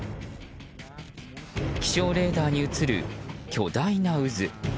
気象レーダーに映る、巨大な渦。